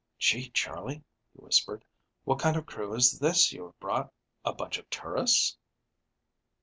"Gee, Charley," he whispered, "what kind of crew is this you have brought, a bunch of tourists?"